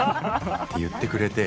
って言ってくれて。